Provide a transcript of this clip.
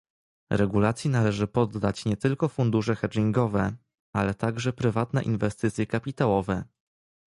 Regulacji należy poddać nie tylko fundusze hedgingowe, ale także prywatne inwestycje kapitałowe